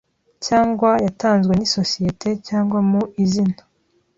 cyangwa yatanzwe n isosiyete cyangwa mu izina